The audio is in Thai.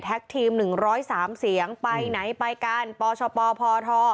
แท็กทีม๑๐๓เสียงไปไหนไปกันป่อช่อป่อพ่อท่อ